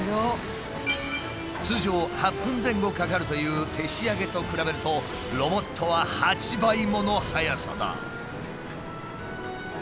通常８分前後かかるという手仕上げと比べるとロボットは８倍もの速さだ。